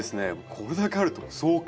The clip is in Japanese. これだけあると壮観！